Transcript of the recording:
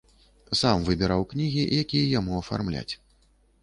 Сам выбіраў кнігі, якія яму афармляць.